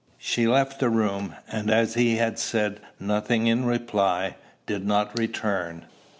She left the room; and, as he had said nothing in reply, did not return.